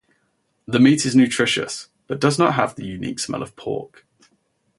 The meat is nutritious but does not have the unique smell of pork.